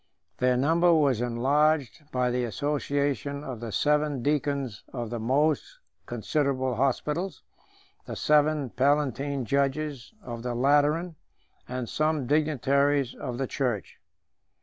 Their number was enlarged by the association of the seven deacons of the most considerable hospitals, the seven palatine judges of the Lateran, and some dignitaries of the church.